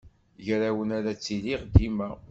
Gar-awen ara ttiliɣ dima.